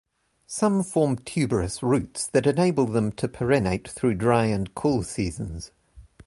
Some form tuberous roots that enable them to perennate through dry and cool seasons.